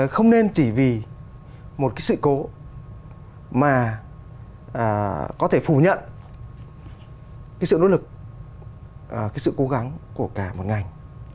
không nên chỉ vì một cái sự cố mà có thể phủ nhận cái sự nỗ lực cái sự cố gắng của cả một ngành